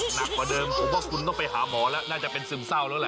หนักกว่าเดิมผมว่าคุณต้องไปหาหมอแล้วน่าจะเป็นซึมเศร้าแล้วแหละ